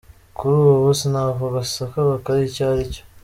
Kuri ubu sinavuga sakabaka icyo aricyo.